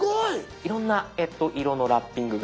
いろんな色のラッピングが。